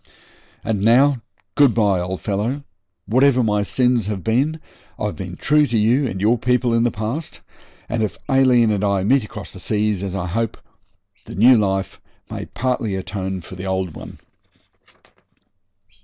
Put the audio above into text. And now, good bye, old fellow. Whatever my sins have been, I've been true to you and your people in the past, and if Aileen and I meet across the seas, as I hope, the new life may partly atone for the old one.'